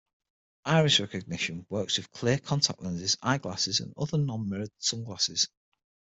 Iris recognition works with clear contact lenses, eyeglasses, and non-mirrored sunglasses.